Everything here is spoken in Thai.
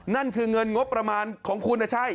นั่นคือเงินงบประมาณของคุณนะใช่